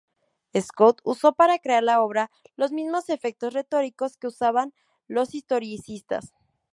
Scott usó para crear la obra los mismos efectos retóricos que usaban los historicistas.